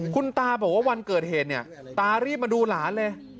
คุณตาบอกว่าวันเกิดเหตุเนี่ยตารีบมาดูหลานเลย